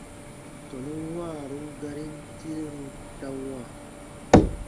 Tɔnun wãarun garin tireru ta wãa.